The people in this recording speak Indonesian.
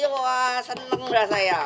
wah seneng berasa ya